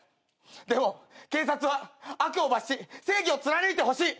でも警察は悪を罰し正義を貫いてほしい。